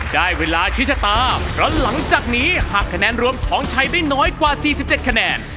ได้เวลาชี้ชะตาเพราะหลังจากนี้หากคะแนนรวมของชัยได้น้อยกว่า๔๗คะแนน